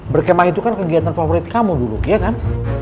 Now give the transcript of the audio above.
berkemah itu kan kegiatan favorit kamu dulu iya kan